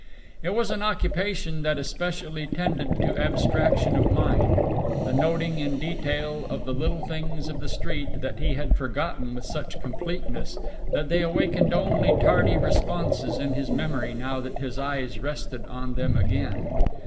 It was an occupation that especially tended to abstraction of mind the noting in detail of the little things of the street that he had forgotten with such completeness that they awakened only tardy responses in his memory now that his eyes rested on them again.